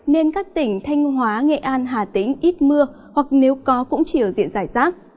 nên các tỉnh thanh hóa nghệ an hà tĩnh ít mưa hoặc nếu có cũng chỉ ở diện giải rác